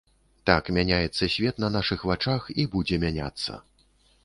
Так мяняецца свет на нашых вачах, і будзе мяняцца.